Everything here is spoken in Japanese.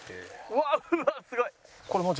うわーっすごい！